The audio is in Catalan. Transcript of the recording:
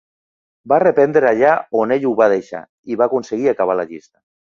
Va reprendre allà on ell ho va deixar, i va aconseguir acabar la llista.